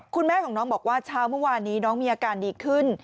คุณแม่ของน้องบอกว่าเช้าเมื่อวานนี้น้องมีอาการดีขึ้น